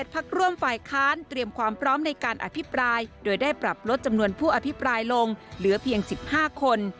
พักร่วมฝ่ายค้านเตรียมความพร้อมในการอภิปรายโดยได้ปรับลดจำนวนผู้อภิปรายลงเหลือเพียง๑๕คน